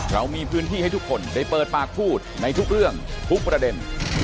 เรามีพื้นที่ให้ทุกคนได้เปิดปากพูดในทุกเรื่องทุกประเด็น